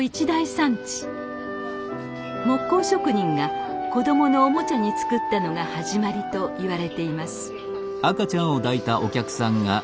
木工職人が子供のおもちゃに作ったのが始まりといわれています。